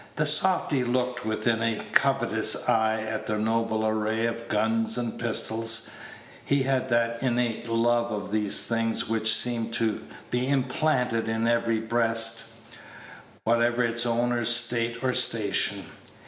The softy looked with a covetous eye at the noble array of guns and pistols. He had that innate love of these things which seems to be implanted in every breast, whatever its owner's state or station.